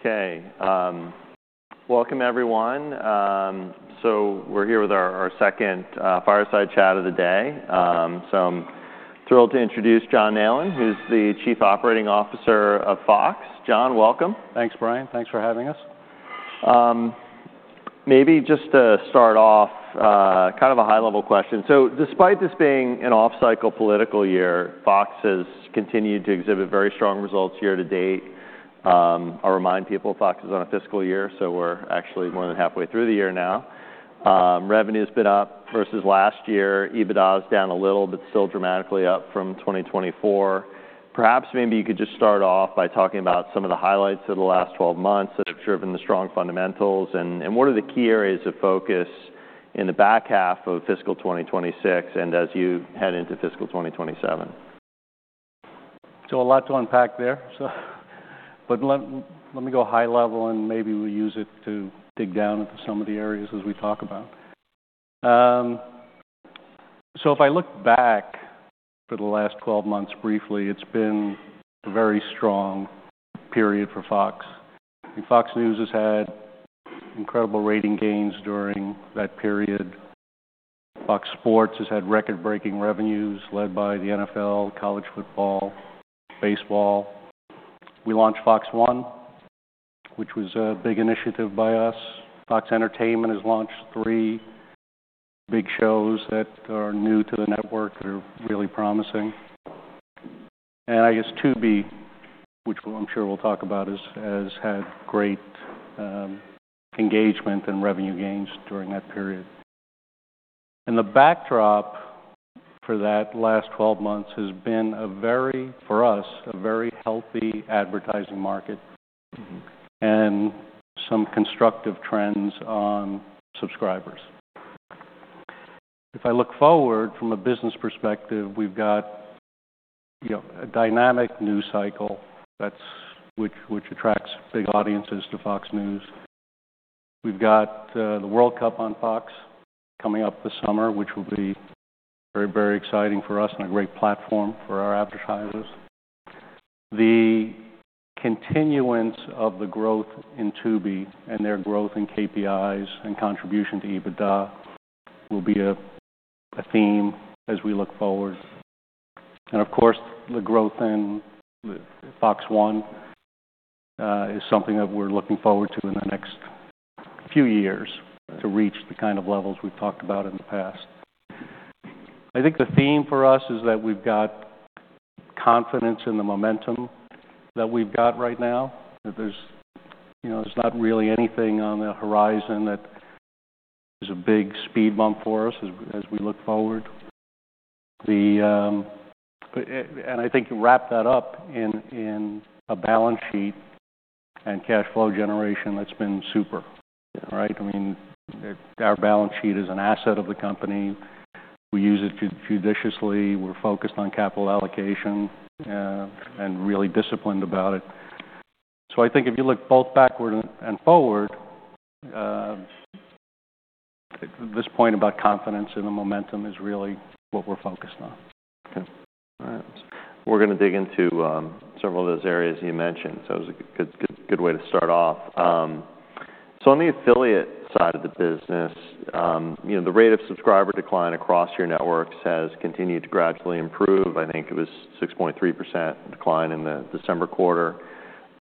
Okay. Welcome, everyone. We're here with our second fireside chat of the day. I'm thrilled to introduce John Nallen, who's the Chief Operating Officer of Fox. John, welcome. Thanks, Brian. Thanks for having us. Maybe just to start off, kind of a high-level question. Despite this being an off-cycle political year, Fox has continued to exhibit very strong results year to date. I'll remind people, Fox is on a fiscal year, so we're actually more than halfway through the year now. Revenue's been up versus last year. EBITDA is down a little, but still dramatically up from 2024. Perhaps maybe you could just start off by talking about some of the highlights of the last 12 months that have driven the strong fundamentals, and what are the key areas of focus in the back half of fiscal 2026 and as you head into fiscal 2027? A lot to unpack there. But let me go high level, and maybe we'll use it to dig down into some of the areas as we talk about. If I look back for the last 12 months briefly, it's been a very strong period for Fox. Fox News has had incredible rating gains during that period. FOX Sports has had record-breaking revenues led by the NFL, college football, baseball. We launched FOX One, which was a big initiative by us. Fox Entertainment has launched three big shows that are new to the network that are really promising. I guess Tubi, which I'm sure we'll talk about, has had great engagement and revenue gains during that period. The backdrop for that last 12 months has been a very, for us, a very healthy advertising market- Some constructive trends on subscribers. If I look forward from a business perspective, we've got, you know, a dynamic news cycle which attracts big audiences to Fox News. We've got the World Cup on Fox coming up this summer, which will be very, very exciting for us and a great platform for our advertisers. The continuance of the growth in Tubi and their growth in KPIs and contribution to EBITDA will be a theme as we look forward. Of course, the growth in Fox One is something that we're looking forward to in the next few years to reach the kind of levels we've talked about in the past. I think the theme for us is that we've got confidence in the momentum that we've got right now. There's, you know, there's not really anything on the horizon that is a big speed bump for us as we look forward. I think to wrap that up in a balance sheet and cash flow generation, that's been super, right? I mean, our balance sheet is an asset of the company. We use it judiciously. We're focused on capital allocation, and really disciplined about it. I think if you look both backward and forward, this point about confidence in the momentum is really what we're focused on. Okay. All right. We're gonna dig into several of those areas you mentioned. It was a good way to start off. On the affiliate side of the business, you know, the rate of subscriber decline across your networks has continued to gradually improve. I think it was 6.3% decline in the December quarter,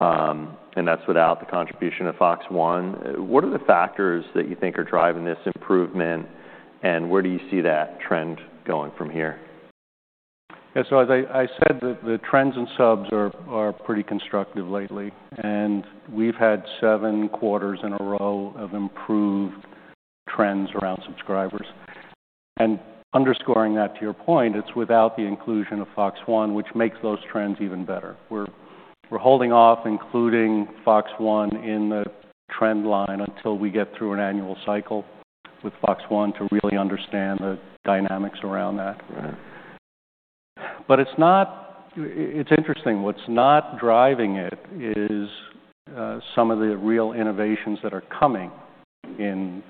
and that's without the contribution of FOX One. What are the factors that you think are driving this improvement, and where do you see that trend going from here? As I said, the trends in subs are pretty constructive lately, and we've had seven quarters in a row of improved trends around subscribers. Underscoring that, to your point, it's without the inclusion of FOX One, which makes those trends even better. We're holding off including FOX One in the trend line until we get through an annual cycle with FOX One to really understand the dynamics around that. Right. It's not. It's interesting. What's not driving it is, some of the real innovations that are coming in,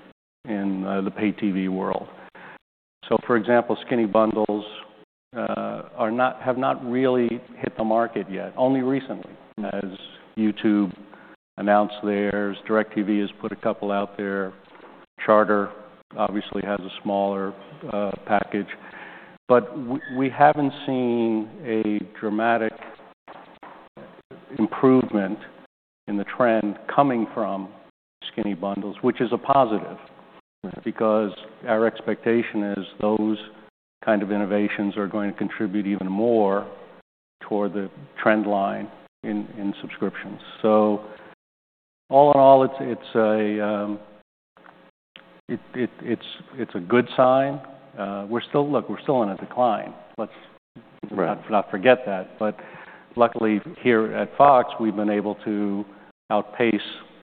the paid TV world. For example, skinny bundles, are not, have not really hit the market yet. Only recently, as YouTube announced theirs. DIRECTV has put a couple out there. Charter obviously has a smaller, package. We haven't seen a dramatic improvement in the trend coming from skinny bundles, which is a positive. Our expectation is those kind of innovations are going to contribute even more toward the trend line in subscriptions. All in all, it's a good sign. Look, we're still in a decline. Right. Not forget that. Luckily, here at Fox, we've been able to outpace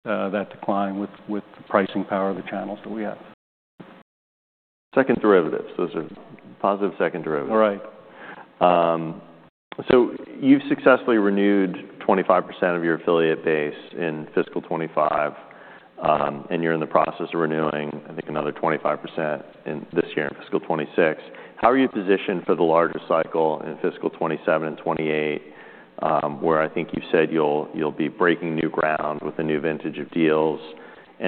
that decline with the pricing power of the channels that we have. Second derivatives. Those are positive second derivatives. Right. You've successfully renewed 25% of your affiliate base in fiscal 2025. And you're in the process of renewing, I think, another 25% in this year, in fiscal 2026. How are you positioned for the larger cycle in fiscal 2027 and 2028, where I think you said you'll be breaking new ground with the new vintage of deals?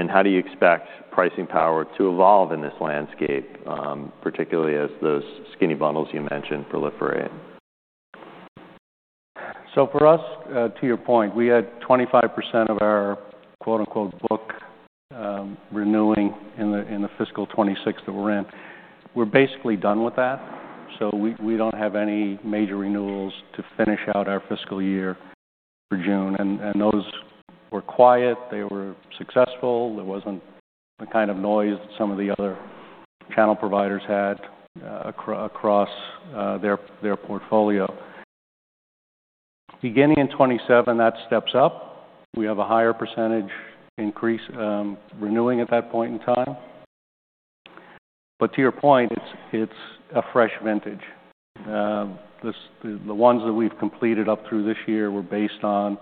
How do you expect pricing power to evolve in this landscape, particularly as those skinny bundles you mentioned proliferate? For us, to your point, we had 25% of our, quote-unquote, book, renewing in the fiscal 2026 that we're in. We're basically done with that, so we don't have any major renewals to finish out our fiscal year for June. Those were quiet. They were successful. There wasn't the kind of noise that some of the other channel providers had across their portfolio. Beginning in 2027, that steps up. We have a higher percentage increase, renewing at that point in time. To your point, it's a fresh vintage. The ones that we've completed up through this year were based on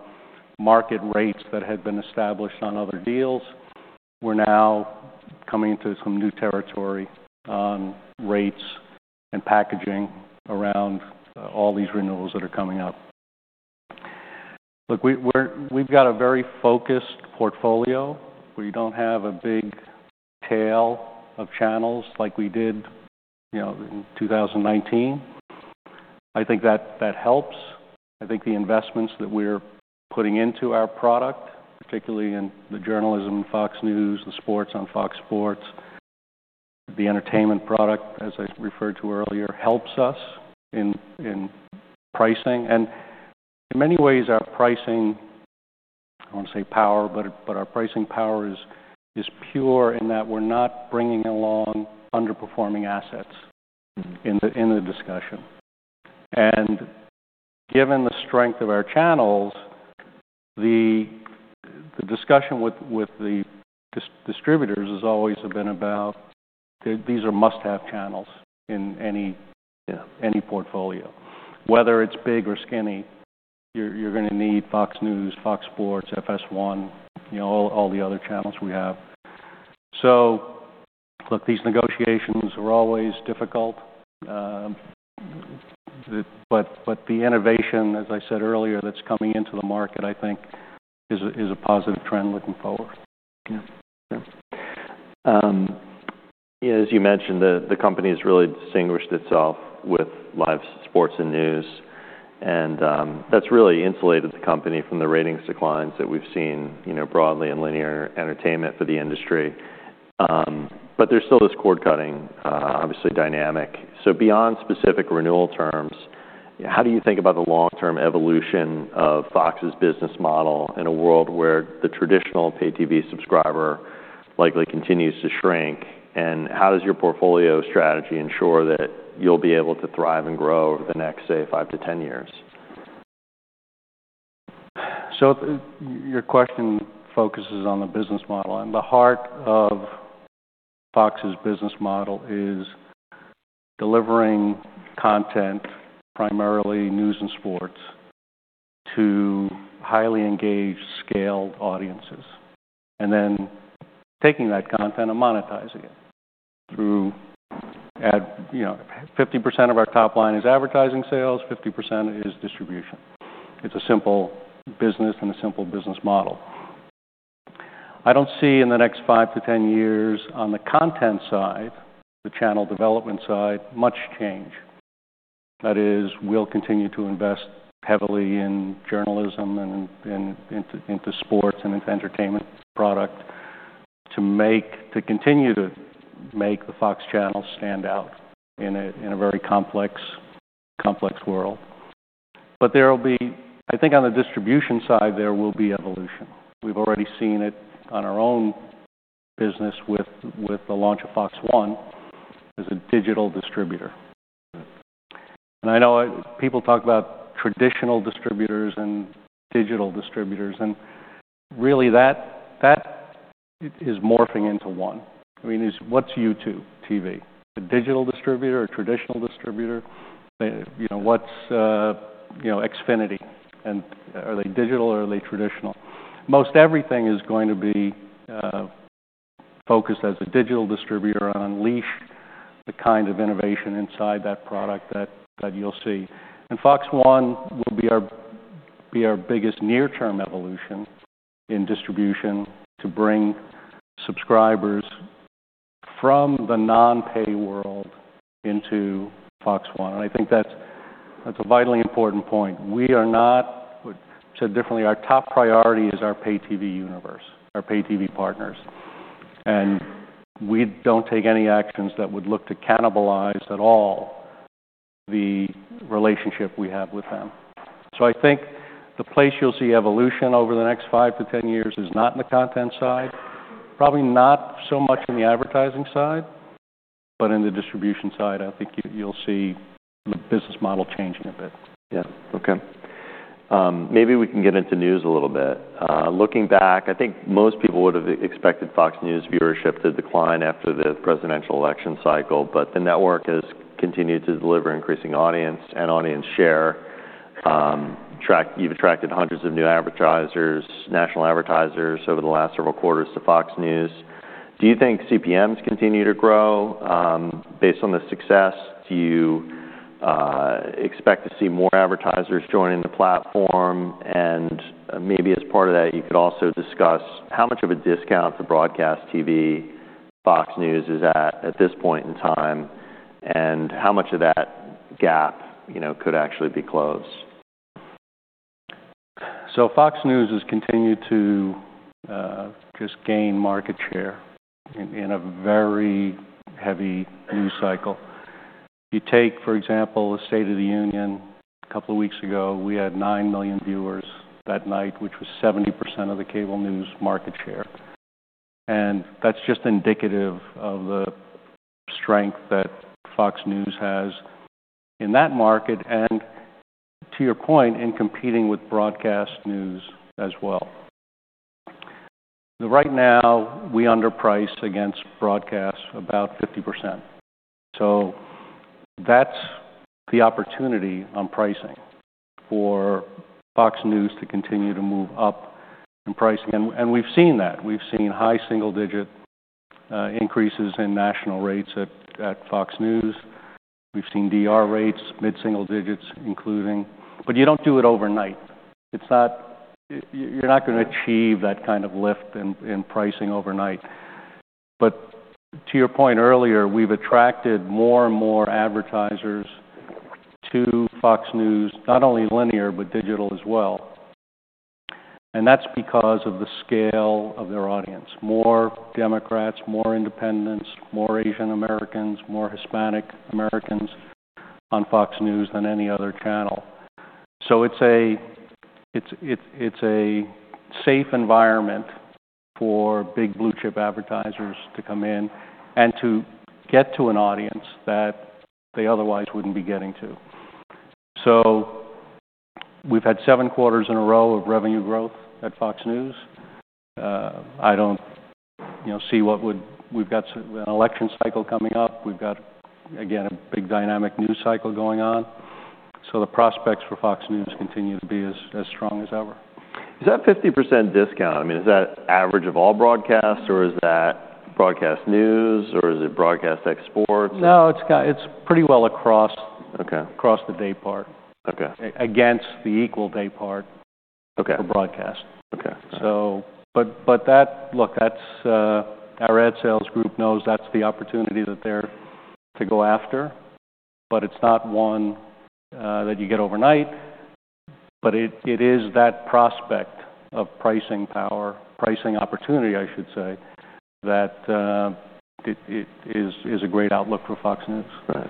market rates that had been established on other deals. We're now coming into some new territory on rates and packaging around all these renewals that are coming up. Look, we've got a very focused portfolio. We don't have a big tail of channels like we did, you know, in 2019. I think that helps. I think the investments that we're putting into our product, particularly in the journalism, Fox News, the sports on FOX Sports, the entertainment product, as I referred to earlier, helps us in pricing. In many ways, our pricing, I don't want to say power, but our pricing power is pure in that we're not bringing along underperforming assets in the discussion. Given the strength of our channels, the discussion with the distributors has always been about that these are must-have channels in any. Yeah. any portfolio. Whether it's big or skinny, you're gonna need Fox News, FOX Sports, FS1, you know, all the other channels we have. Look, these negotiations are always difficult. The innovation, as I said earlier, that's coming into the market, I think, is a, is a positive trend looking forward. Sure. As you mentioned, the company has really distinguished itself with live sports and news, and that's really insulated the company from the ratings declines that we've seen, you know, broadly in linear entertainment for the industry. There's still this cord-cutting, obviously dynamic. Beyond specific renewal terms, how do you think about the long-term evolution of Fox's business model in a world where the traditional pay TV subscriber likely continues to shrink? How does your portfolio strategy ensure that you'll be able to thrive and grow over the next, say, five to 10 years? Your question focuses on the business model, and the heart of Fox's business model is delivering content, primarily news and sports, to highly engaged scaled audiences, and then taking that content and monetizing it through. You know, 50% of our top line is advertising sales, 50% is distribution. It's a simple business and a simple business model. I don't see in the next five to 10 years on the content side, the channel development side, much change. That is, we'll continue to invest heavily in journalism and into sports and into entertainment product to continue to make the Fox channel stand out in a, in a very complex world. I think on the distribution side, there will be evolution. We've already seen it on our own business with the launch of FOX One as a digital distributor. I know people talk about traditional distributors and digital distributors, and really that is morphing into one. I mean, it's what's YouTube TV? A digital distributor or traditional distributor? You know, what's, you know, Xfinity? Are they digital or are they traditional? Most everything is going to be focused as a digital distributor and unleash the kind of innovation inside that product that you'll see. FOX One will be our biggest near-term evolution in distribution to bring subscribers from the non-pay world into FOX One, and I think that's a vitally important point. Put differently, our top priority is our pay TV universe, our pay TV partners, and we don't take any actions that would look to cannibalize at all the relationship we have with them. I think the place you'll see evolution over the next five to 10 years is not in the content side, probably not so much in the advertising side, but in the distribution side, I think you'll see the business model changing a bit. Yeah. Okay. Maybe we can get into news a little bit. Looking back, I think most people would have expected Fox News viewership to decline after the presidential election cycle, but the network has continued to deliver increasing audience and audience share. You've attracted hundreds of new advertisers, national advertisers over the last several quarters to Fox News. Do you think CPMs continue to grow? Based on the success, do you expect to see more advertisers joining the platform? Maybe as part of that, you could also discuss how much of a discount the broadcast TV Fox News is at this point in time, and how much of that gap, you know, could actually be closed. Fox News has continued to just gain market share in a very heavy news cycle. You take, for example, the State of the Union a couple of weeks ago. We had 9 million viewers that night, which was 70% of the cable news market share. That's just indicative of the strength that Fox News has in that market, and to your point, in competing with broadcast news as well. Right now, we underprice against broadcast about 50%. That's the opportunity on pricing for Fox News to continue to move up in pricing. We've seen that. We've seen high single-digit increases in national rates at Fox News. We've seen DR rates mid-single digits, including... You don't do it overnight. You're not gonna achieve that kind of lift in pricing overnight. To your point earlier, we've attracted more and more advertisers to Fox News, not only linear, but digital as well. That's because of the scale of their audience. More Democrats, more independents, more Asian Americans, more Hispanic Americans on Fox News than any other channel. It's a safe environment for big blue chip advertisers to come in and to get to an audience that they otherwise wouldn't be getting to. We've had seven quarters in a row of revenue growth at Fox News. I don't, you know, see what would. We've got an election cycle coming up. We've got, again, a big dynamic news cycle going on. The prospects for Fox News continue to be as strong as ever. Is that 50% discount, I mean, is that average of all broadcasts, or is that broadcast news, or is it broadcast sports? No, it's pretty well across. Okay. across the day part. Okay. Against the equal day part. Okay. for broadcast. Okay. Look, that's our ad sales group knows that's the opportunity that they're to go after, but it's not one that you get overnight. It is that prospect of pricing power, pricing opportunity, I should say, that it is a great outlook for Fox News. Right.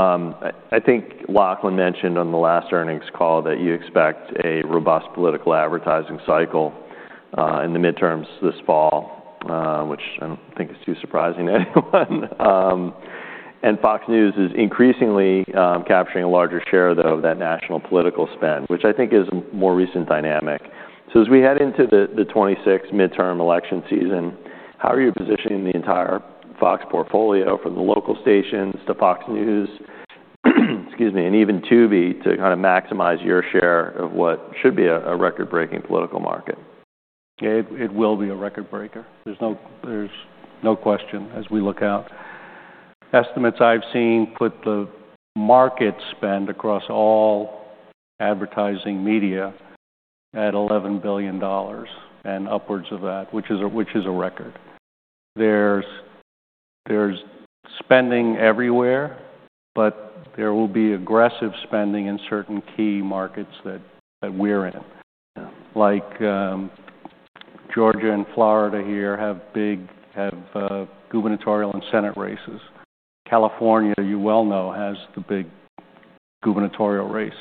Okay. I think Lachlan mentioned on the last earnings call that you expect a robust political advertising cycle in the midterms this fall, which I don't think is too surprising to anyone. And Fox News is increasingly capturing a larger share, though, of that national political spend, which I think is more recent dynamic. As we head into the 2026 midterm election season, how are you positioning the entire Fox portfolio from the local stations to Fox News, excuse me, and even Tubi to kind of maximize your share of what should be a record-breaking political market? It will be a record breaker. There's no question as we look out. Estimates I've seen put the market spend across all advertising media at $11 billion and upwards of that, which is a record. There's spending everywhere, but there will be aggressive spending in certain key markets that we're in. Yeah. Georgia and Florida here have big gubernatorial and Senate races. California, you well know, has the big gubernatorial race.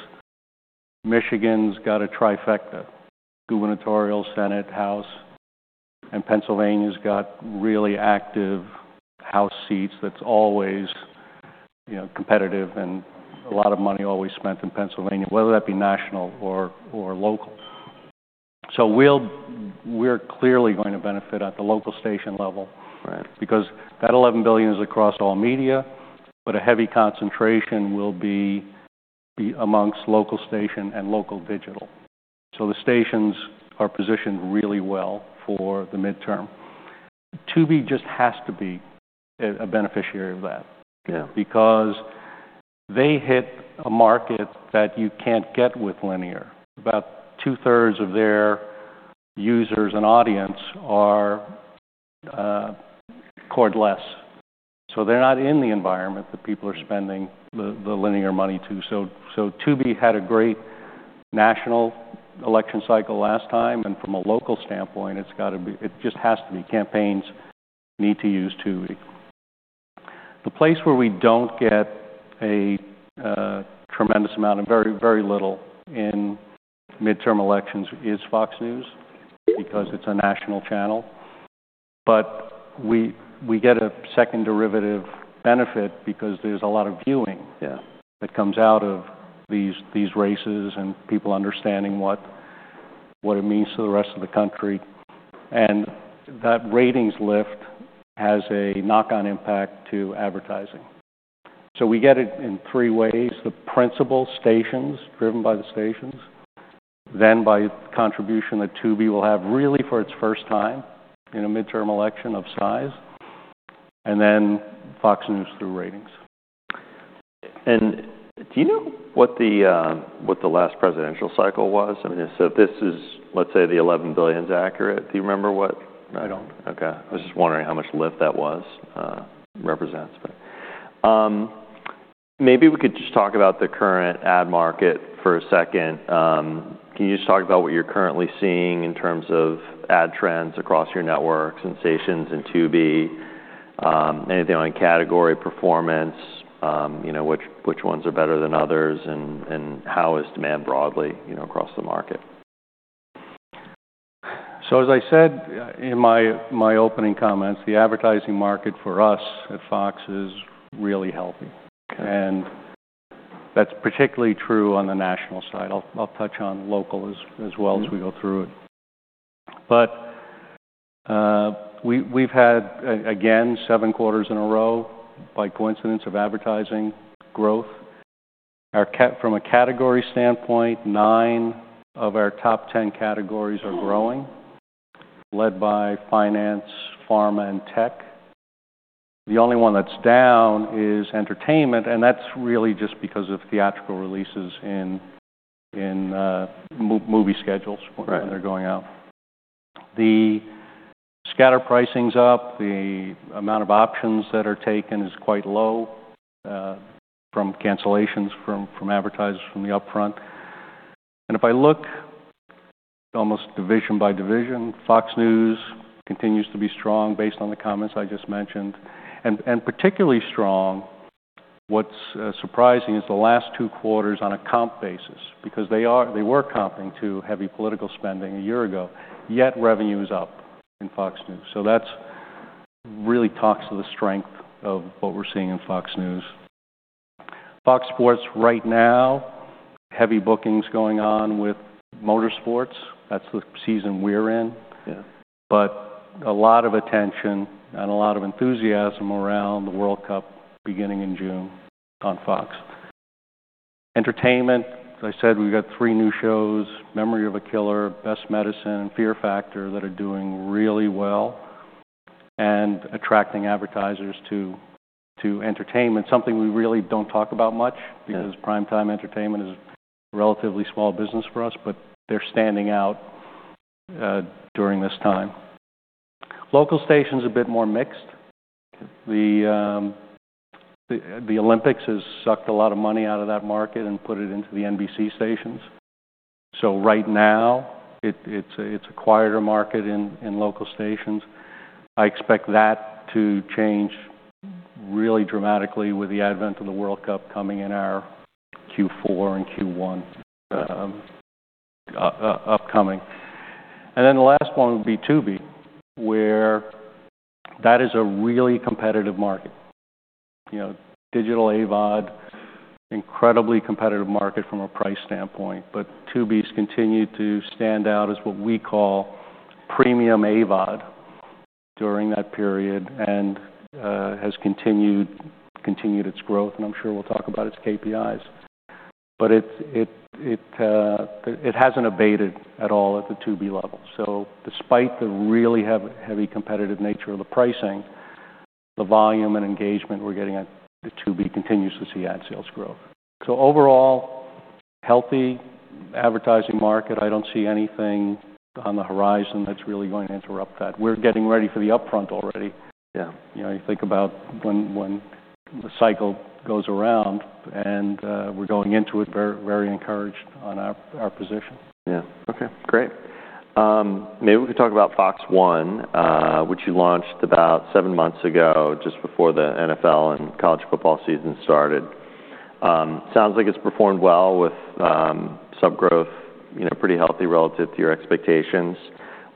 Michigan's got a trifecta, gubernatorial, Senate, House. Pennsylvania's got really active House seats that's always, you know, competitive and a lot of money always spent in Pennsylvania, whether that be national or local. We're clearly going to benefit at the local station level. Right. That $11 billion is across all media, but a heavy concentration will be amongst local station and local digital. The stations are positioned really well for the midterm. Tubi just has to be a beneficiary of that. Yeah. They hit a market that you can't get with linear. About 2/3 of their users and audience are cordless, so they're not in the environment that people are spending the linear money to. Tubi had a great national election cycle last time, and from a local standpoint, it just has to be. Campaigns need to use Tubi. The place where we don't get a tremendous amount and very, very little in midterm elections is Fox News because it's a national channel. We get a second derivative benefit because there's a lot of viewing. Yeah. that comes out of these races and people understanding what it means to the rest of the country. That ratings lift has a knock-on impact to advertising. We get it in three ways. The principal stations, driven by the stations, then by contribution that Tubi will have really for its first time in a midterm election of size, and then Fox News through ratings. Do you know what the what the last presidential cycle was? I mean, so this is, let's say, the $11 billion's accurate. Do you remember. I don't. I was just wondering how much lift that was represents. Maybe we could just talk about the current ad market for a second. Can you just talk about what you're currently seeing in terms of ad trends across your networks and stations in Tubi? Anything on category performance, you know, which ones are better than others and how is demand broadly, you know, across the market? As I said in my opening comments, the advertising market for us at Fox is really healthy. Okay. That's particularly true on the national side. I'll touch on local as well as we go through it. We've had again, seven quarters in a row by coincidence of advertising growth. From a category standpoint, nine of our top 10 categories are growing, led by finance, pharma, and tech. The only one that's down is entertainment, and that's really just because of theatrical releases in movie schedules. Right. when they're going out. The scatter pricing's up. The amount of options that are taken is quite low, from cancellations from advertisers from the upfront. If I look almost division by division, Fox News continues to be strong based on the comments I just mentioned. Particularly strong, what's surprising is the last two quarters on a comp basis because they were comping to heavy political spending a year ago, yet revenue's up in Fox News. That's really talks to the strength of what we're seeing in Fox News. Fox Sports right now, heavy bookings going on with motorsports. That's the season we're in. Yeah. A lot of attention and a lot of enthusiasm around the World Cup beginning in June on Fox Entertainment, as I said, we've got three new shows, Memory of a Killer, Best Medicine, Fear Factor, that are doing really well and attracting advertisers to entertainment. Something we really don't talk about much. Yeah. Primetime entertainment is relatively small business for us, but they're standing out during this time. Local station's a bit more mixed. Okay. The Olympics has sucked a lot of money out of that market and put it into the NBC stations. Right now it's a quieter market in local stations. I expect that to change really dramatically with the advent of the World Cup coming in our Q4 and Q1 upcoming. The last one would be Tubi, where that is a really competitive market. You know, digital AVOD, incredibly competitive market from a price standpoint. Tubi's continued to stand out as what we call premium AVOD during that period and has continued its growth, and I'm sure we'll talk about its KPIs. It hasn't abated at all at the Tubi level. Despite the really heavy competitive nature of the pricing, the volume and engagement we're getting at Tubi continues to see ad sales growth. Overall, healthy advertising market. I don't see anything on the horizon that's really going to interrupt that. We're getting ready for the upfront already. Yeah. You know, you think about when the cycle goes around, and we're going into it very encouraged on our position. Yeah. Okay, great. Maybe we could talk about FOX One, which you launched about seven months ago just before the NFL and college football season started. Sounds like it's performed well with sub growth, you know, pretty healthy relative to your expectations.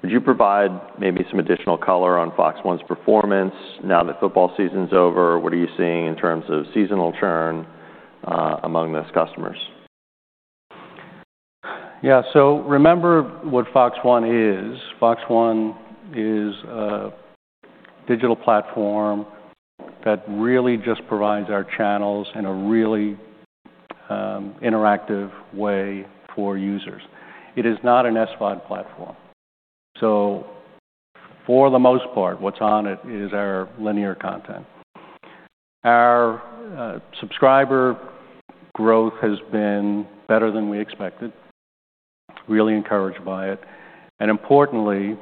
Would you provide maybe some additional color on FOX One's performance now that football season's over? What are you seeing in terms of seasonal churn among those customers? Yeah. Remember what FOX One is. FOX One is a digital platform that really just provides our channels in a really interactive way for users. It is not an SVOD platform. For the most part, what's on it is our linear content. Our subscriber growth has been better than we expected. Really encouraged by it. Importantly,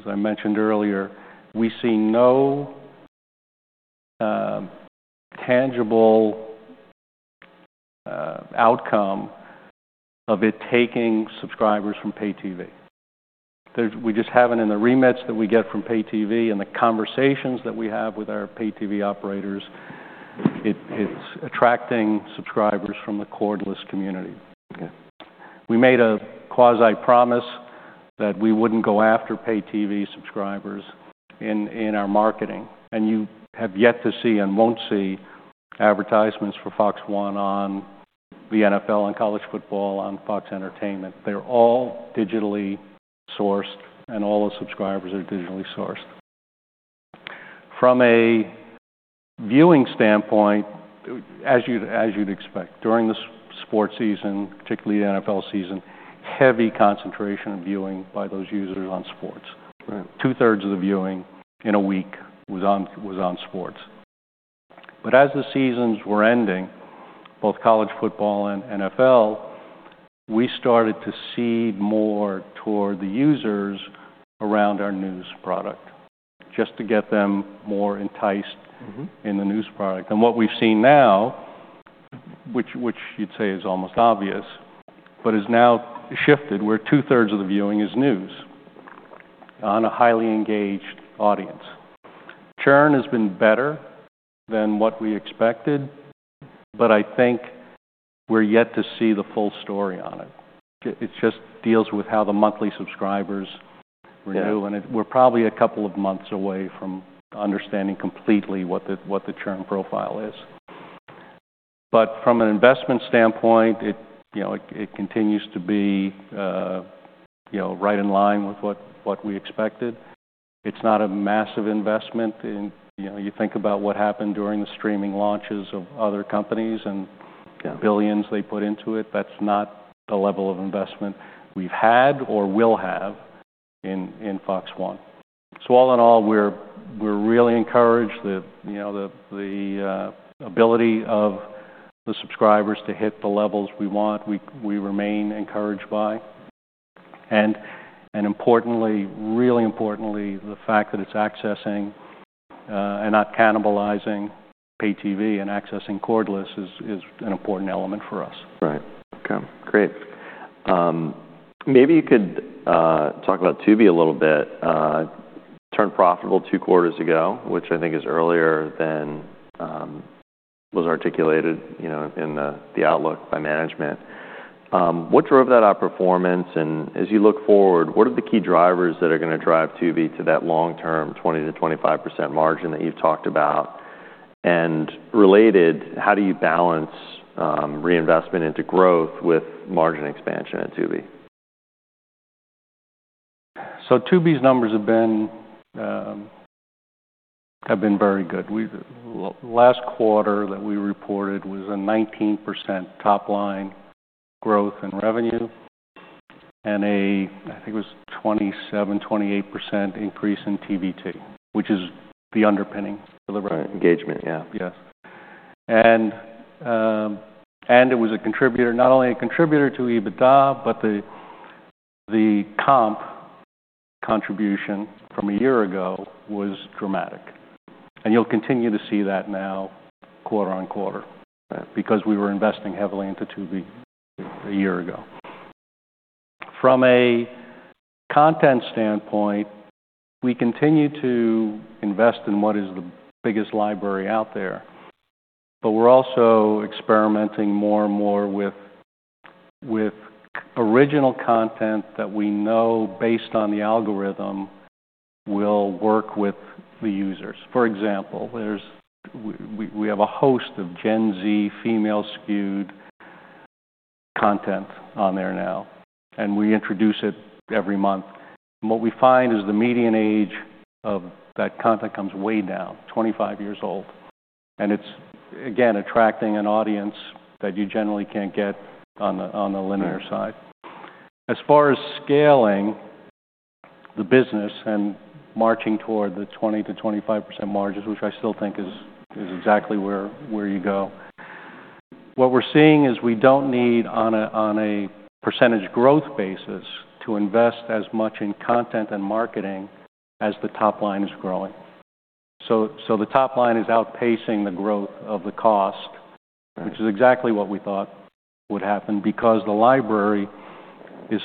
as I mentioned earlier, we see no tangible outcome of it taking subscribers from pay TV. We just haven't in the remits that we get from pay TV and the conversations that we have with our pay TV operators. It's attracting subscribers from the cordless community. Okay. We made a quasi promise that we wouldn't go after pay TV subscribers in our marketing, and you have yet to see and won't see advertisements for FOX One on the NFL and college football on Fox Entertainment. They're all digitally sourced, and all the subscribers are digitally sourced. From a viewing standpoint, as you'd expect, during the sports season, particularly the NFL season, heavy concentration of viewing by those users on sports. Right. 2/3 of the viewing in a week was on sports. As the seasons were ending, both college football and NFL, we started to see more toward the users around our news product just to get them more enticed in the news product. What we've seen now, which you'd say is almost obvious, but has now shifted, where 2/3 of the viewing is news on a highly engaged audience. Churn has been better than what we expected, but I think we're yet to see the full story on it. It just deals with how the monthly subscribers renew. Yeah. We're probably a couple of months away from understanding completely what the churn profile is. From an investment standpoint, it, you know, it continues to be, you know, right in line with what we expected. It's not a massive investment. You know, you think about what happened during the streaming launches of other companies. Yeah. billions they put into it. That's not the level of investment we've had or will have in Fox One. All in all, we're really encouraged that, you know, the ability of the subscribers to hit the levels we want, we remain encouraged by. Importantly, really importantly, the fact that it's accessing and not cannibalizing pay TV and accessing cordless is an important element for us. Right. Okay. Great. Maybe you could talk about Tubi a little bit. It turned profitable two quarters ago, which I think is earlier than was articulated, you know, in the outlook by management. What drove that outperformance? As you look forward, what are the key drivers that are gonna drive Tubi to that long-term 20%-25% margin that you've talked about? Related, how do you balance reinvestment into growth with margin expansion at Tubi? Tubi's numbers have been very good. Last quarter that we reported was a 19% top line growth in revenue and I think it was 27%-28% increase in TVT, which is the underpinning delivery. Right. Engagement. Yeah. Yes. It was a contributor, not only a contributor to EBITDA, but the comp contribution from a year ago was dramatic. You'll continue to see that now quarter-on-quarter. Right. Because we were investing heavily into Tubi a year ago. From a content standpoint, we continue to invest in what is the biggest library out there. We're also experimenting more and more with original content that we know based on the algorithm will work with the users. For example, we have a host of Gen Z female skewed content on there now, and we introduce it every month. What we find is the median age of that content comes way down, 25 years old, and it's again attracting an audience that you generally can't get on the linear side. Right. As far as scaling the business and marching toward the 20%-25% margins, which I still think is exactly where you go, what we're seeing is we don't need on a percentage growth basis to invest as much in content and marketing as the top line is growing. The top line is outpacing the growth of the cost. Right. which is exactly what we thought would happen because the library is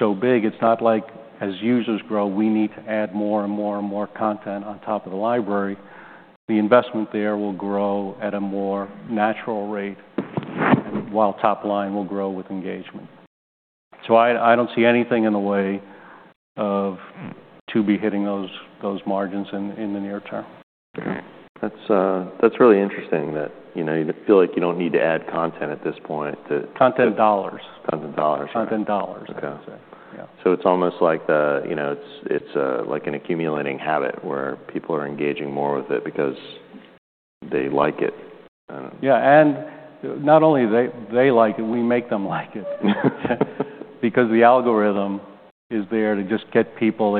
so big. It's not like as users grow, we need to add more and more and more content on top of the library. The investment there will grow at a more natural rate while top line will grow with engagement. I don't see anything in the way of Tubi hitting those margins in the near term. Okay. That's really interesting that, you know, you feel like you don't need to add content at this point. Content dollars. Content dollars. Content dollars, I would say. Okay. Yeah. It's almost like the, you know, it's, like an accumulating habit where people are engaging more with it because they like it. Yeah. Not only they like it, we make them like it. The algorithm is there to just get people.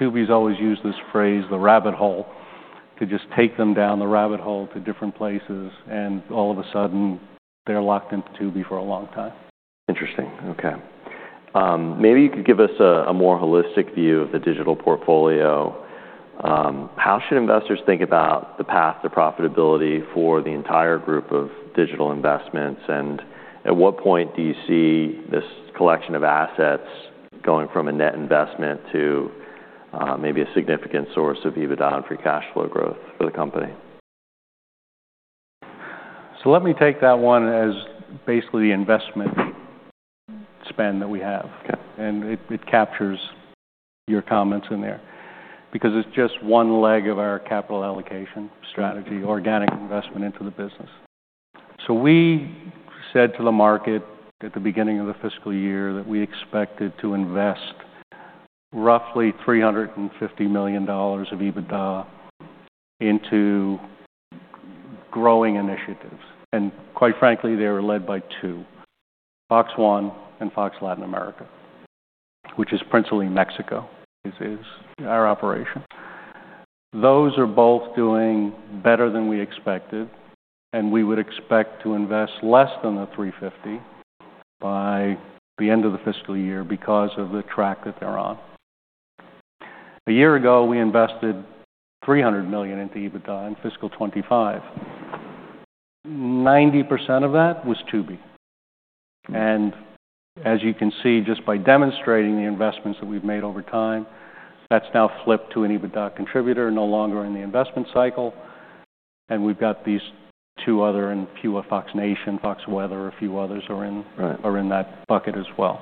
Tubi's always used this phrase, the rabbit hole, to just take them down the rabbit hole to different places, all of a sudden they're locked into Tubi for a long time. Interesting. Okay. Maybe you could give us a more holistic view of the digital portfolio. How should investors think about the path to profitability for the entire group of digital investments? At what point do you see this collection of assets going from a net investment to maybe a significant source of EBITDA and free cash flow growth for the company? Let me take that one as basically investment spend that we have. Okay. It captures your comments in there because it's just one leg of our capital allocation strategy, organic investment into the business. We said to the market at the beginning of the fiscal year that we expected to invest roughly $350 million of EBITDA into growing initiatives. Quite frankly, they were led by two, FOX One and FOX Latin America, which is principally Mexico is our operation. Those are both doing better than we expected, and we would expect to invest less than the $350 by the end of the fiscal year because of the track that they're on. A year ago, we invested $300 million into EBITDA in fiscal 2025. 90% of that was Tubi. As you can see, just by demonstrating the investments that we've made over time, that's now flipped to an EBITDA contributor, no longer in the investment cycle. We've got these two other and fewer Fox Nation, FOX Weather, a few others are in- Right. are in that bucket as well.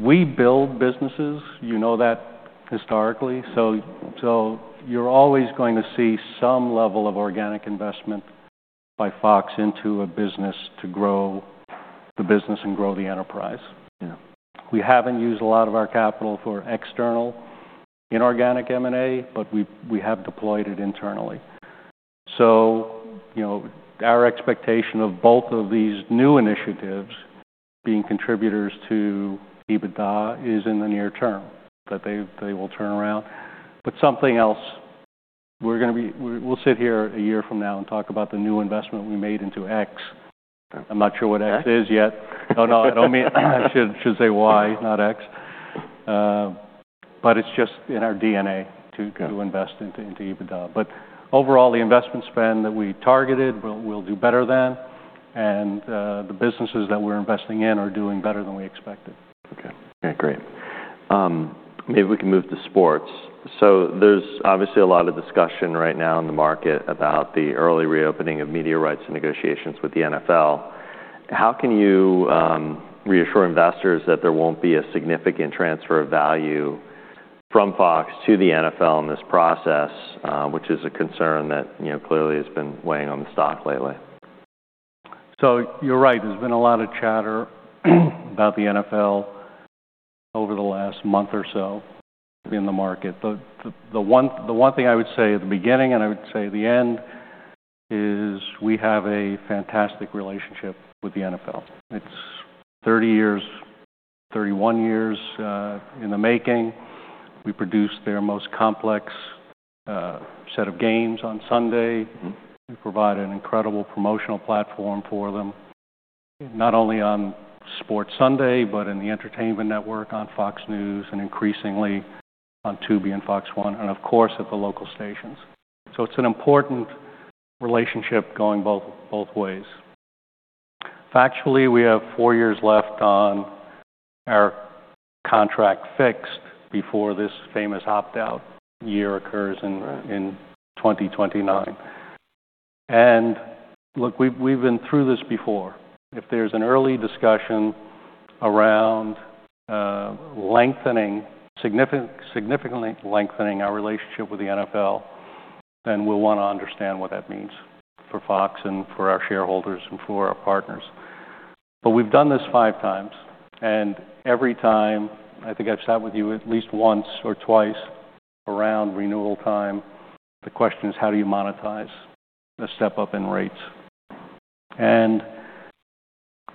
We build businesses. You know that historically. You're always going to see some level of organic investment by Fox into a business to grow the business and grow the enterprise. Yeah. We haven't used a lot of our capital for external inorganic M&A, we have deployed it internally. You know, our expectation of both of these new initiatives being contributors to EBITDA is in the near term, that they will turn around. Something else we'll sit here a year from now and talk about the new investment we made into X. Okay. I'm not sure what X is yet. Oh, no. I don't mean. I should say Y not X. It's just in our DNA to- Okay. -to invest into EBITDA. Overall, the investment spend that we targeted, we'll do better than. The businesses that we're investing in are doing better than we expected. Okay. Okay, great. Maybe we can move to sports. There's obviously a lot of discussion right now in the market about the early reopening of media rights and negotiations with the NFL. How can you reassure investors that there won't be a significant transfer of value from Fox to the NFL in this process, which is a concern that, you know, clearly has been weighing on the stock lately? You're right. There's been a lot of chatter about the NFL over the last month or so in the market. The one thing I would say at the beginning and I would say the end is we have a fantastic relationship with the NFL. It's 30 years, 31 years in the making. We produce their most complex set of games on Sunday. We provide an incredible promotional platform for them, not only on Sports Sunday, but in the Fox Entertainment network, on Fox News and increasingly on Tubi and FOX One, and of course, at the local stations. It's an important relationship going both ways. Factually, we have four years left on our contract fixed before this famous opt-out year occurs. Right. In 2029. Look, we've been through this before. If there's an early discussion around lengthening significantly lengthening our relationship with the NFL, then we'll wanna understand what that means for Fox and for our shareholders and for our partners. We've done this 5x, and every time, I think I've sat with you at least once or twice around renewal time, the question is how do you monetize a step-up in rates?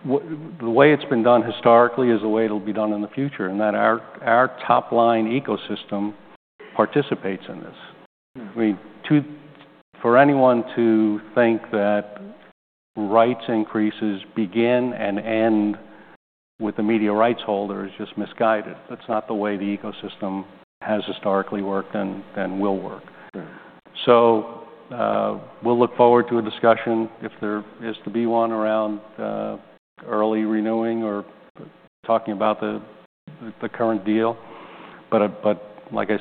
The way it's been done historically is the way it'll be done in the future, and that our top line ecosystem participates in this. I mean, for anyone to think that rights increases begin and end with the media rights holder is just misguided. That's not the way the ecosystem has historically worked and will work. Sure. We'll look forward to a discussion if there is to be one around, early renewing or talking about the current deal. Like I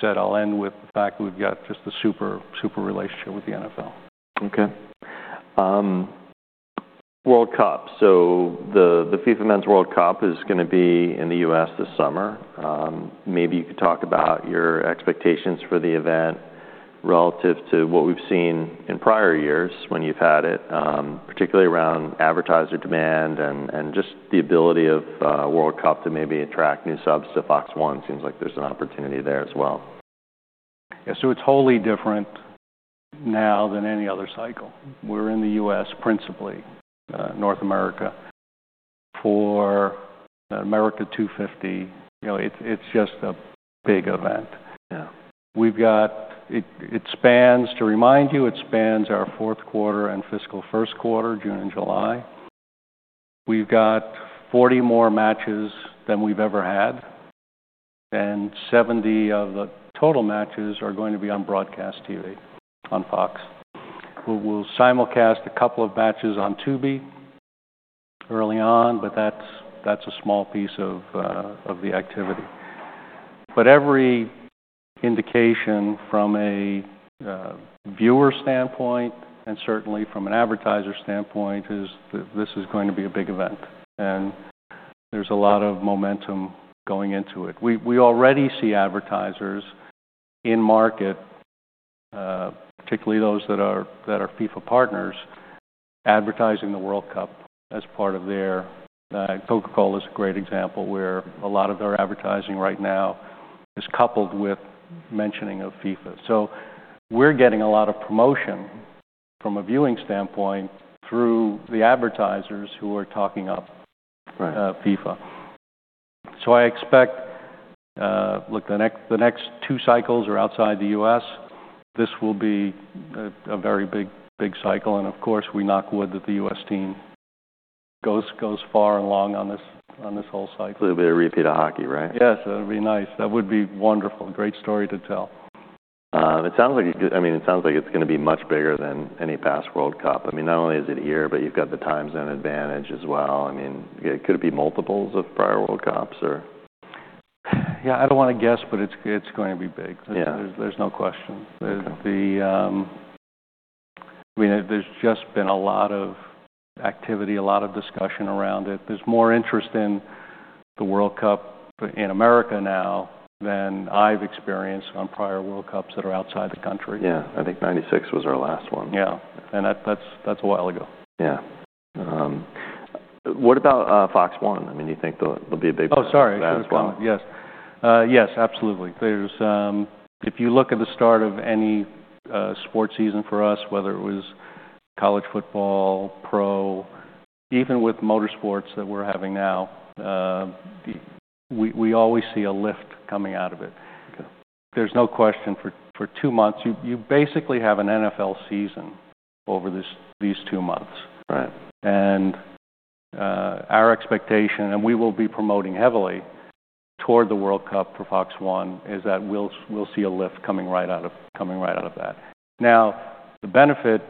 said, I'll end with the fact that we've got just a super relationship with the NFL. Okay. World Cup. The FIFA Men's World Cup is gonna be in the U.S. this summer. Maybe you could talk about your expectations for the event relative to what we've seen in prior years when you've had it, particularly around advertiser demand and just the ability of World Cup to maybe attract new subs to FOX One. Seems like there's an opportunity there as well. Yeah. It's wholly different now than any other cycle. We're in the U.S. principally, North America. For America 250, you know, it's just a big event. Yeah. To remind you, it spans our fourth quarter and fiscal first quarter, June and July. We've got 40 more matches than we've ever had. 70 of the total matches are going to be on broadcast TV on Fox. We'll simulcast a couple of matches on Tubi early on, that's a small piece of the activity. Every indication from a viewer standpoint, and certainly from an advertiser standpoint, is that this is going to be a big event, and there's a lot of momentum going into it. We already see advertisers in market, particularly those that are FIFA partners, advertising the World Cup as part of their. Coca-Cola is a great example, where a lot of their advertising right now is coupled with mentioning of FIFA. We're getting a lot of promotion from a viewing standpoint through the advertisers who are talking up. Right FIFA. I expect. Look, the next two cycles are outside the U.S. This will be a very big cycle. Of course, we knock wood that the U.S. team goes far and long on this whole cycle. It'll be a repeat of hockey, right? Yes. That would be nice. That would be wonderful. Great story to tell. I mean, it sounds like it's gonna be much bigger than any past World Cup. I mean, not only is it here, but you've got the time zone advantage as well. I mean, could it be multiples of prior World Cups or? I don't wanna guess, but it's going to be big. Yeah. There's no question. Okay. I mean, there's just been a lot of activity, a lot of discussion around it. There's more interest in the World Cup in America now than I've experienced on prior World Cups that are outside the country. Yeah. I think 1996 was our last one. Yeah. That's a while ago. Yeah. What about Fox One? I mean, you think It'll be a big one for that as well? Oh, sorry. I should have gone. Yes. Yes, absolutely. If you look at the start of any sports season for us, whether it was college football, pro, even with motorsports that we're having now, we always see a lift coming out of it. Okay. There's no question. For two months. You basically have an NFL season over this, these 2 months. Right. Our expectation, and we will be promoting heavily toward the World Cup for FOX One, is that we'll see a lift coming right out of that. The benefit,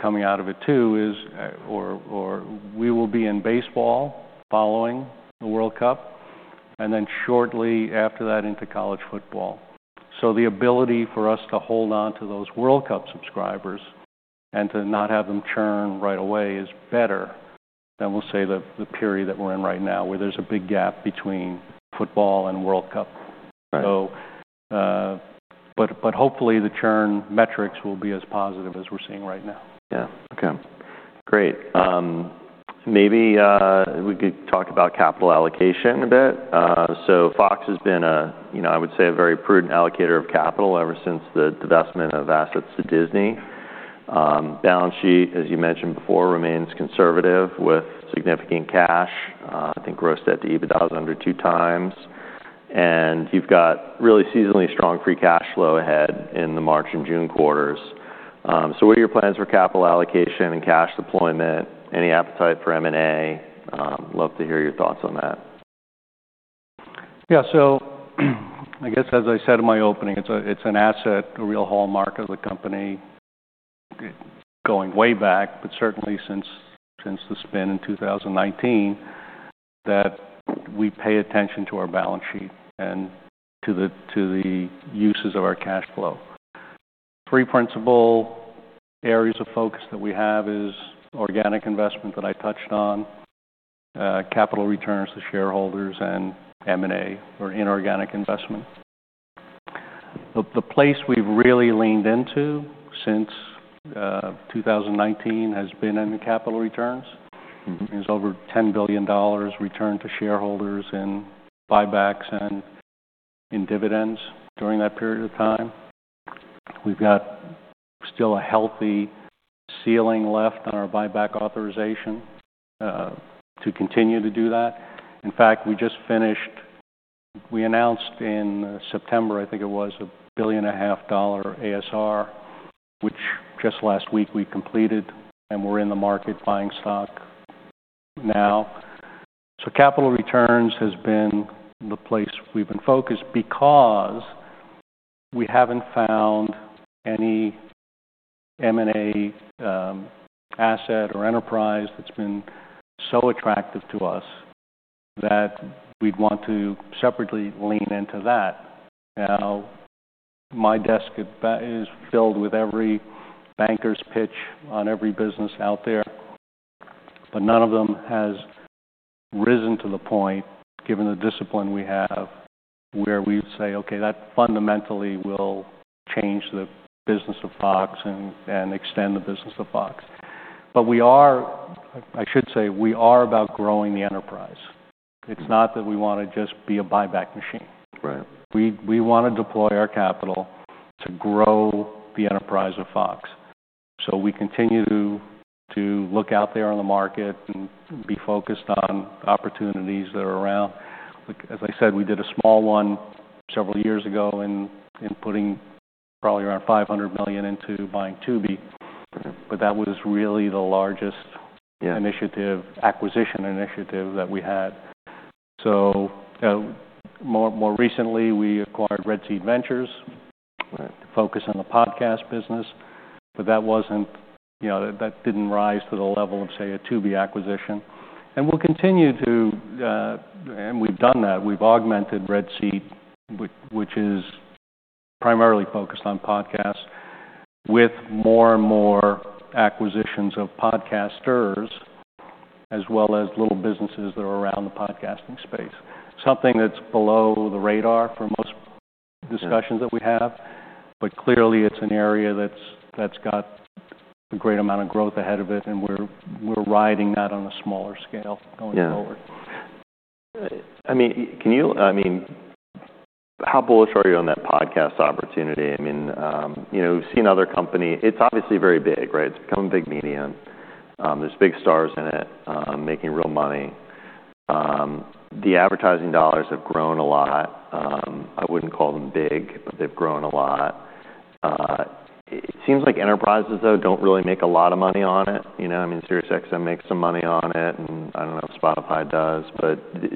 coming out of it too is, or we will be in baseball following the World Cup, and then shortly after that into college football. The ability for us to hold onto those World Cup subscribers and to not have them churn right away is better than, we'll say, the period that we're in right now, where there's a big gap between football and World Cup. Right. Hopefully, the churn metrics will be as positive as we're seeing right now. Yeah. Okay. Great. Maybe we could talk about capital allocation a bit. Fox has been a, you know, I would say, a very prudent allocator of capital ever since the divestment of assets to Disney. Balance sheet, as you mentioned before, remains conservative with significant cash. I think gross debt to EBITDA was under 2x. You've got really seasonally strong free cash flow ahead in the March and June quarters. What are your plans for capital allocation and cash deployment? Any appetite for M&A? Love to hear your thoughts on that. I guess, as I said in my opening, it's an asset, a real hallmark of the company going way back, but certainly since the spin in 2019, that we pay attention to our balance sheet and to the uses of our cash flow. Three principal areas of focus that we have is organic investment that I touched on, capital returns to shareholders, and M&A or inorganic investment. The place we've really leaned into since 2019 has been in the capital returns. There's over $10 billion returned to shareholders in buybacks and in dividends during that period of time. We've got still a healthy ceiling left on our buyback authorization to continue to do that. In fact, we announced in September, I think it was, $1.5 billion ASR, which just last week we completed, and we're in the market buying stock now. Capital returns has been the place we've been focused because we haven't found any M&A asset or enterprise that's been so attractive to us that we'd want to separately lean into that. Now, my desk is filled with every banker's pitch on every business out there, but none of them has risen to the point, given the discipline we have, where we say, "Okay, that fundamentally will change the business of Fox and extend the business of Fox." We are, I should say, we are about growing the enterprise. It's not that we wanna just be a buyback machine. Right. We wanna deploy our capital to grow the enterprise of Fox. We continue to look out there on the market and be focused on opportunities that are around. Like as I said, we did a small one several years ago in putting probably around $500 million into buying Tubi. That was really the largest. Yeah initiative, acquisition initiative that we had. more recently, we acquired Red Seat Ventures Right. Focus on the podcast business, but that wasn't, you know, that didn't rise to the level of, say, a Tubi acquisition. We'll continue to, and we've done that. We've augmented Red Seat, which is primarily focused on podcasts, with more and more acquisitions of podcasters as well as little businesses that are around the podcasting space. Something that's below the radar for most discussions. Yeah. -that we have, but clearly it's an area that's got a great amount of growth ahead of it, and we're riding that on a smaller scale going forward. Yeah. I mean, how bullish are you on that podcast opportunity? I mean, you know, we've seen other company. It's obviously very big, right? It's become a big medium. There's big stars in it, making real money. The advertising dollars have grown a lot. I wouldn't call them big, but they've grown a lot. It seems like enterprises, though, don't really make a lot of money on it, you know. I mean, SiriusXM makes some money on it, and I don't know if Spotify does.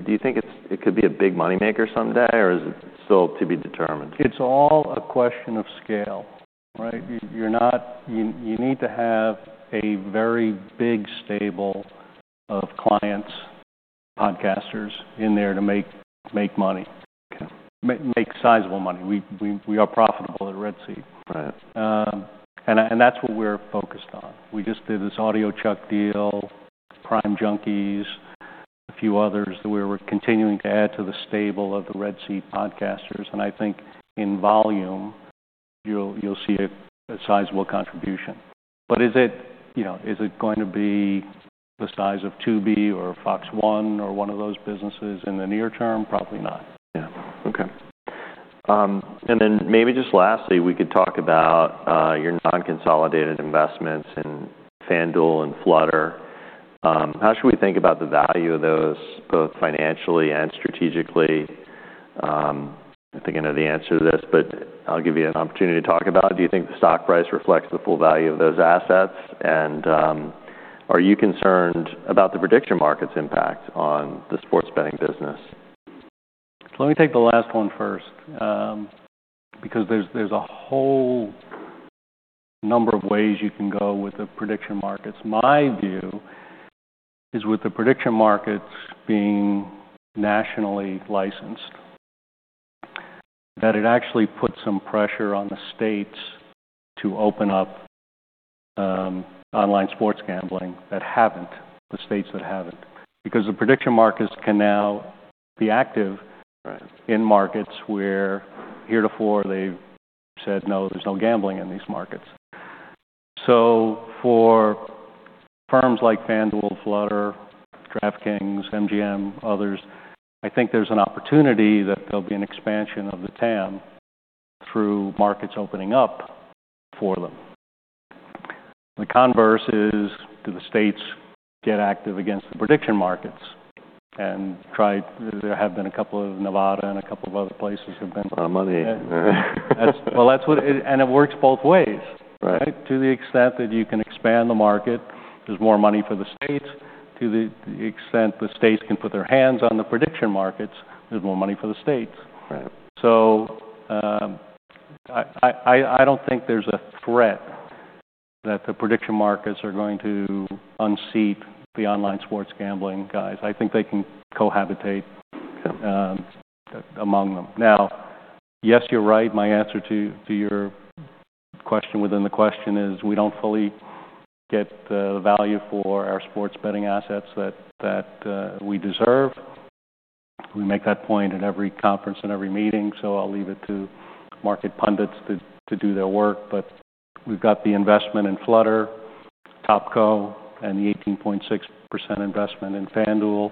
Do you think it's, it could be a big moneymaker someday, or is it still to be determined? It's all a question of scale, right? You need to have a very big stable of clients, podcasters in there to make money. Okay. Make sizable money. We are profitable at Red Seat. Right. That's what we're focused on. We just did this Audiochuck deal, Crime Junkie, a few others that we're continuing to add to the stable of the Red Seat podcasters. I think in volume, you'll see a sizable contribution. Is it, you know, is it going to be the size of Tubi or FOX One or one of those businesses in the near term? Probably not. Yeah. Okay. Maybe just lastly, we could talk about your non-consolidated investments in FanDuel and Flutter. How should we think about the value of those, both financially and strategically? I think I know the answer to this, but I'll give you an opportunity to talk about it. Do you think the stock price reflects the full value of those assets? Are you concerned about the prediction market's impact on the sports betting business? Let me take the last one first, because there's a whole number of ways you can go with the prediction markets. My view is with the prediction markets being nationally licensed, that it actually puts some pressure on the states to open up online sports gambling, the states that haven't. Because the prediction markets can now be. Right. -in markets where heretofore they've said, "No, there's no gambling in these markets." For firms like FanDuel, Flutter, DraftKings, MGM, others, I think there's an opportunity that there'll be an expansion of the TAM through markets opening up for them. The converse is, do the states get active against the prediction markets and try. There have been a couple of Nevada and a couple of other places have been. A lot of money. Well, that's what it. It works both ways. Right. To the extent that you can expand the market, there's more money for the states. To the extent the states can put their hands on the prediction markets, there's more money for the states. Right. I don't think there's a threat that the prediction markets are going to unseat the online sports gambling guys. I think they can cohabitate among them. Now, yes, you're right. My answer to your question within the question is we don't fully get the value for our sports betting assets that we deserve. We make that point at every conference and every meeting, so I'll leave it to market pundits to do their work. We've got the investment in Flutter, Topco, and the 18.6% investment in FanDuel.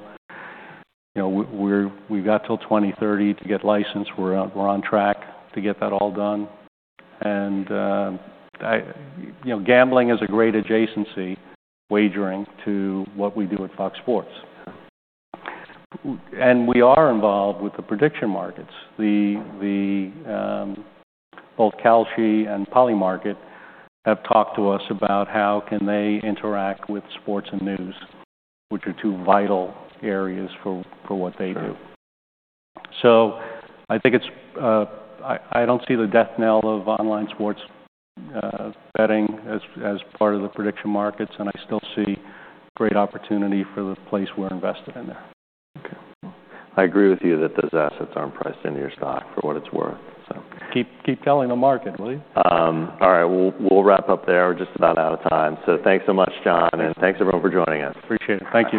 You know, we've got till 2030 to get licensed. We're on track to get that all done. You know, gambling is a great adjacency, wagering, to what we do at FOX Sports. Yeah. We are involved with the prediction markets. The both Kalshi and Polymarket have talked to us about how can they interact with sports and news, which are two vital areas for what they do. Sure. I don't see the death knell of online sports betting as part of the prediction markets, and I still see great opportunity for the place we're invested in there. Okay. I agree with you that those assets aren't priced into your stock, for what it's worth, so. Keep telling the market, will you? All right. We'll, we'll wrap up there. We're just about out of time. Thanks so much, John. Thank you. Thanks, everyone, for joining us. Appreciate it. Thank you.